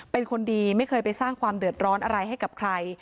เป็นคนดีไม่เคยไปสร้างความเดือดร้อนอะไรให้กับใคร